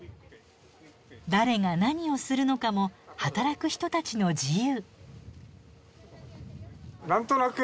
誰が何をするのかも働く人たちの自由。